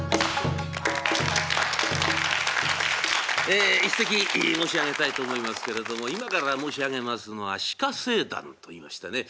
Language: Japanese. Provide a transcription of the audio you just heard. ええ一席申し上げたいと思いますけれども今から申し上げますのは「鹿政談」といいましてね